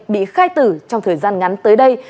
bị khai tử trong thời gian ngắn tới đây